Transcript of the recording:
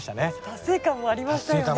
達成感もありましたよね。